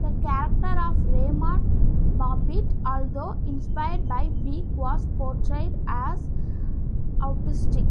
The character of Raymond Babbitt, although inspired by Peek, was portrayed as autistic.